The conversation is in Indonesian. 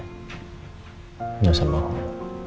gak usah bohong